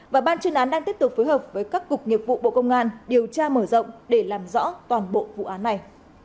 và ban chuyên án đang tiếp tục phối hợp với các cục nghiệp vụ bộ công an điều tra mở rộng để làm rõ toàn bộ vụ án này